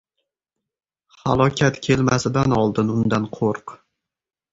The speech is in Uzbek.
• Halokat kelmasidan oldin undan qo‘rq.